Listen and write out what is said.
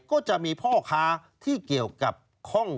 ก็จะมีพ่อค้าที่เกี่ยวกับห้อง